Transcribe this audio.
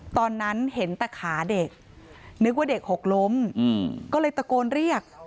ตอนนั้นเห็นแต่ขาเด็กนึกว่าเด็กหกล้มก็เลยตะโกนเรียก